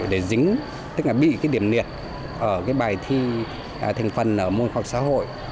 để dính tức là bị cái điểm liệt ở cái bài thi thành phần ở môn khoa học xã hội